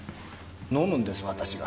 飲むんです私が。